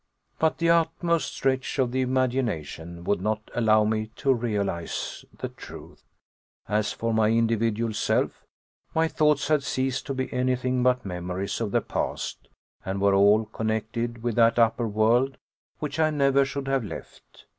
But the utmost stretch of the imagination would not allow me to realize the truth. As for my individual self, my thoughts had ceased to be anything but memories of the past, and were all connected with that upper world which I never should have left.